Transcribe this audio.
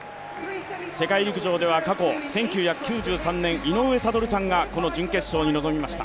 世界陸上では過去１９９３年、井上悟さんがこの準決勝に臨みました。